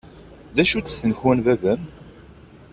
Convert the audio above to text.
D acu-tt tnekwa n baba-m?